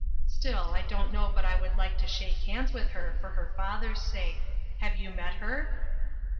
Still, I don't know but I would like to shake hands with her for her father's sake. Have you met her